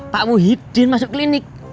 pak muhyiddin masuk klinik